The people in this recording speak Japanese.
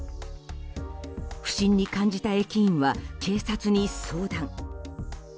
不審に感じた駅員は警察に相談。